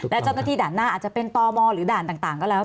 และหัวโทรธนาภาพอาจจะเป็นตมหรือด่านต่างนะครับ